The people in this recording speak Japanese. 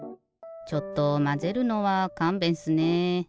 ちょっとまぜるのはかんべんっすね。